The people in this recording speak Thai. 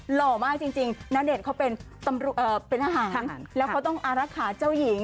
หล่อมากจริงณเดชน์เขาเป็นทหารแล้วเขาต้องอารักษาเจ้าหญิง